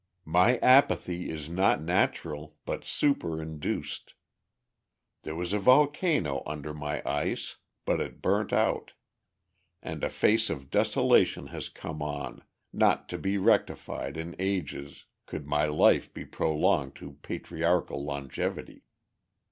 My apathy is not natural, but superinduced. There was a volcano under my ice, but it burnt out, and a face of desolation has come on, not to be rectified in ages, could my life be prolonged to patriarchal longevity.